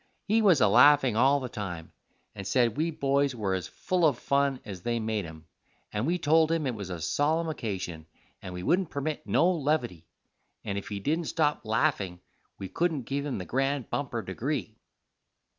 He was a laffing all the time, and said we boys were as full of fun as they made 'em, and we told him it was a solemn occasion, and we wouldn't permit no levity, and if he didn't stop laffing we couldn't give him the grand bumper degree.